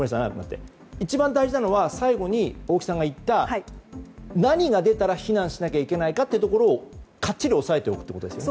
一番大事なのは最後に大木さんが言った何が出たら避難しなきゃいけないかというところをかっちり押さえておくってことですね。